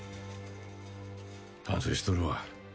反省しとるわ。